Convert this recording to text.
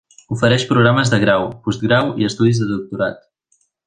Ofereix programes de grau, postgrau i estudis de doctorat.